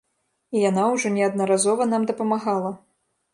І яна ўжо неаднаразова нам дапамагала.